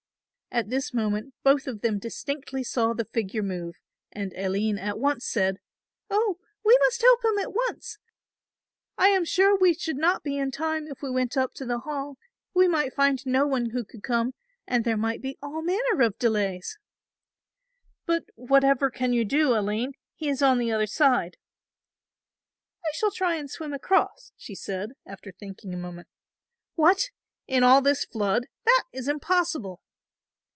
At this moment both of them distinctly saw the figure move, and Aline at once said, "Oh, we must help him at once. I am sure we should not be in time if we went up to the Hall. We might find no one who could come and there might be all manner of delays." "But whatever can you do, Aline, he is on the other side?" "I shall try and swim across," she said, after thinking a moment. "What, in all this flood! That is impossible."